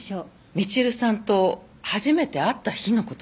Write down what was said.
みちるさんと初めて会った日の事なの。